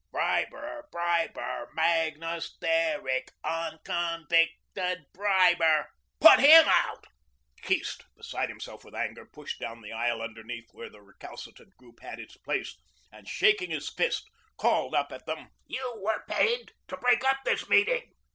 "Briber, briber Magnus Derrick, unconvicted briber! Put him out." Keast, beside himself with anger, pushed down the aisle underneath where the recalcitrant group had its place and, shaking his fist, called up at them: "You were paid to break up this meeting.